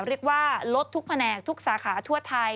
เรียกว่าลดทุกแผนกทุกสาขาทั่วไทย